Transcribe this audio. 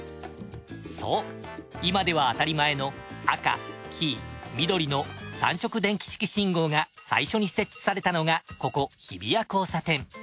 そう今では当たり前の赤黄緑の３色電気式信号が最初に設置されたのがここ日比谷交差点。